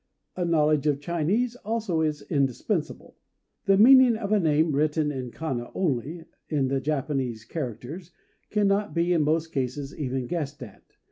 A knowledge of Chinese also is indispensable. The meaning of a name written in kana only, in the Japanese characters, cannot be, in most cases, even guessed at.